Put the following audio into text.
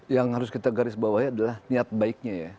yang harus kita garis bawahnya adalah niat baiknya ya